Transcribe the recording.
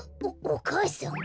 おお母さん？